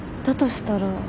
だとしたら。